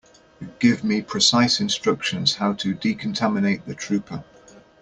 Give me precise instructions how to decontaminate the trooper.